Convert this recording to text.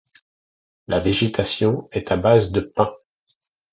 La végétation est à base de pins.